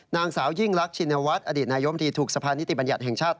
นางสาวยิ่งรักชินวัฒน์อดีตนายมดีถูกสะพานนิติบัญญัติแห่งชาติ